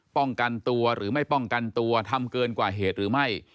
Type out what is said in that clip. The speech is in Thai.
ป้องกันตัวหรือไม่ป้องกันตัวทำเกินกว่าเหตุหรือไม่